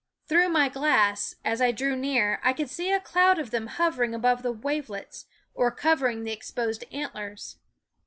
Through my glass, as I drew near, I could see a cloud of them hovering above the wavelets, or covering the exposed antlers.